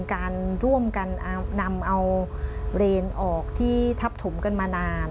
การร่วมกันนำเอาเรนออกที่ทับถมกันมานาน